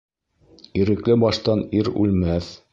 Ирекле баштан ир үлмәҫ.